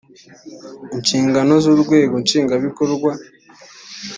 inshingano z urwego nshingwabikorwa